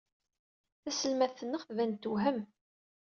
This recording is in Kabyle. Taselmadt-nneɣ tban-d tewhem.